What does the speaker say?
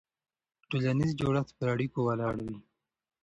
ټولنیز جوړښت پر اړیکو ولاړ وي.